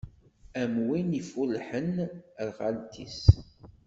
Am win iffullḥen ar xalt-is.